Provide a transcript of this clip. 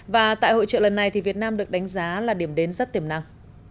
và tại hội trợ lần này thì việt nam được đánh giá là điểm đến rất tiềm năng